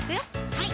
はい